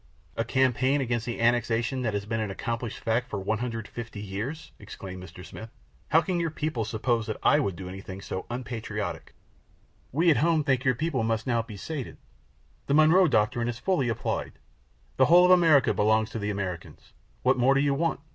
"A campaign against the annexation that has been an accomplished fact for 150 years!" exclaimed Mr. Smith. "How can your people suppose that I would do anything so unpatriotic?" "We at home think that your people must now be sated. The Monroe doctrine is fully applied; the whole of America belongs to the Americans. What more do you want?